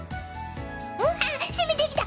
うわっ攻めてきた